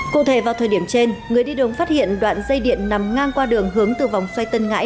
cụ thể vào thời điểm trên người đi đường phát hiện đoạn dây điện nằm ngang qua đường hướng từ vòng xoay tân ngãi